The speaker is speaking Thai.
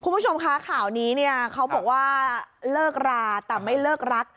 คุณผู้ชมคะข่าวนี้เนี่ยเขาบอกว่าเลิกราแต่ไม่เลิกรัก